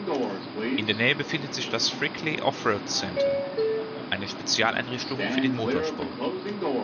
In der Nähe befindet sich das Frickley Offroad Centre, eine Spezialeinrichtung für den Motorsport.